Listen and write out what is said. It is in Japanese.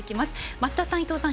増田さん、伊藤さん